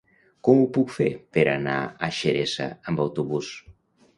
Com ho puc fer per anar a Xeresa amb autobús?